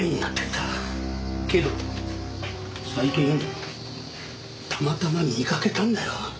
けど最近たまたま見かけたんだよ。